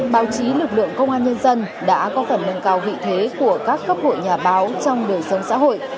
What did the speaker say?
báo chí lực lượng công an nhân dân đã có phần nâng cao vị thế của các cấp hội nhà báo trong đời sống xã hội